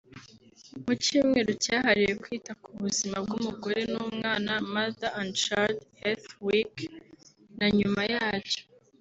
Mu cyumweru cyahariwe kwita ku buzima bw’umugore n’umwana “Mother and Child Heallth Weak” na nyuma yacyo